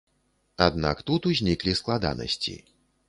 Аднак тут узніклі складанасці.